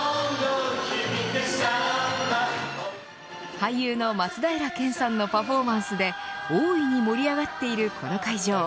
俳優の松平健さんのパフォーマンスで大いに盛り上がっているこの会場。